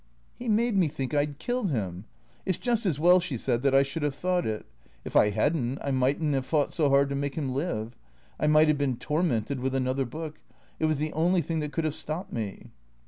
" He made me think I 'd killed him. It 's just as well," she said, " that I should have thought it. If I had n't I might n't have fought so hard to make him live. I might have been tor mented with another book. It was the only thing that could have stopped me."